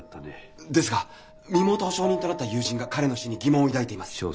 ですが身元保証人となった友人が彼の死に疑問を抱いています。